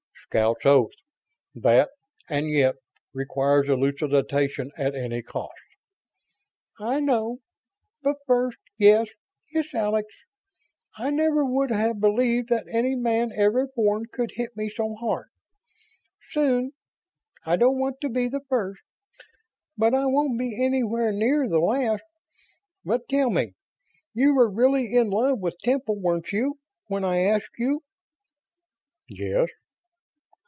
"Scout's Oath. That 'and yet' requires elucidation at any cost." "I know. But first, yes, it's Alex. I never would have believed that any man ever born could hit me so hard. Soon. I didn't want to be the first, but I won't be anywhere near the last. But tell me. You were really in love with Temple, weren't you, when I asked you?" "Yes."